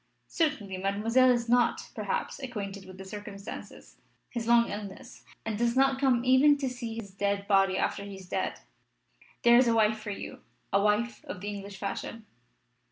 "Certainly Mademoiselle is not, perhaps, acquainted with the circumstances his long illness; and does not come even to see his dead body after he is dead. There is a wife for you a wife of the English fashion!"